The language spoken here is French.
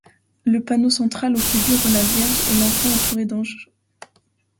Le panneau central, où figurent la Vierge et l'Enfant entourées d'anges.